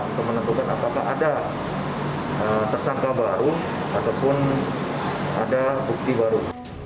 untuk menentukan apakah ada tersangka baru ataupun ada bukti baru